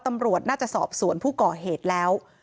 ตำรวจน่าจะสอบสวนผู้ก่อเหตุแล้ว